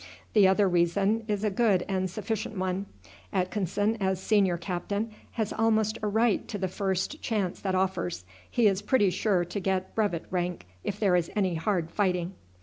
The other reason is a good and sufficient one. Atkinson, as senior captain, has almost a right to the first chance that offers. He is pretty sure to get brevet rank if there is any hard fighting."